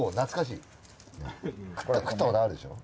食ったことあるでしょ？